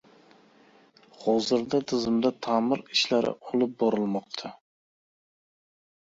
Hozirda tizimda taʼmir ishlari olib borilmoqda.